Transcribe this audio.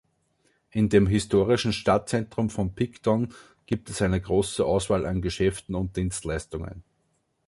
In dem historischen Stadtzentrum von Picton gibt es eine große Auswahl an Geschäften und Dienstleistungen.